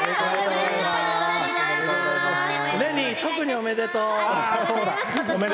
れに、特におめでとう。